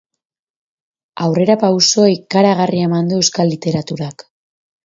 Aurrerapauso ikaragarria eman du euskal literaturak.